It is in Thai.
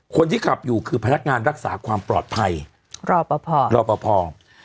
คนที่ขับอยู่คือพนักงานรักษาความปลอดภัยรอปภรอปภ